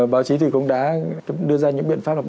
báo chí thì cũng đã đưa ra những biện pháp là